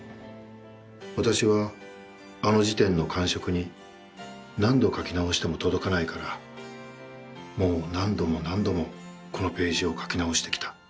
私はあの時点の感触に何度書き直しても届かないからもう何度も何度もこのページを書き直してきた。